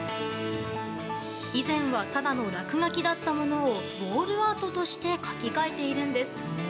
以前はただの落書きだったものをウォールアートとして描き変えているんです。